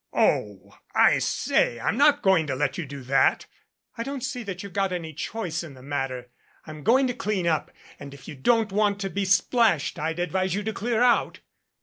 "Oh, I say, I'm not going to let you do that." "I don't see that you've got any choice in the matter. I'm going to clean up, and if you don't want to be splashed, I'd advise you to clear out."